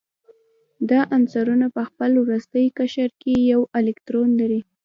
دا عنصرونه په خپل وروستي قشر کې یو الکترون لري.